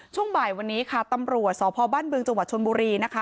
ช่วงบ่ายวันนี้ตำรวจสบบึงจชลบุรี